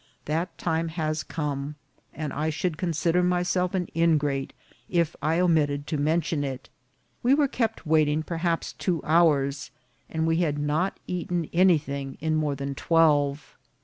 That time has come, and I should consider myself an ingrate if I omitted to mention it. We were kept waiting per haps two hours, and we had not eaten anything in more than twelve.